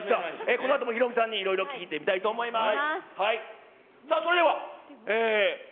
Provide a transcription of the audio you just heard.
このあともヒロミさんにいろいろ聞いてみたいと思います。